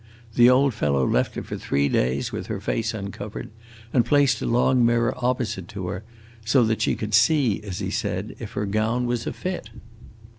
The old fellow left her for three days with her face uncovered, and placed a long mirror opposite to her, so that she could see, as he said, if her gown was a fit!"